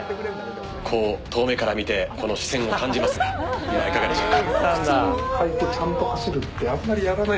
遠目から見て視線を感じますが今、いかがでしょうか？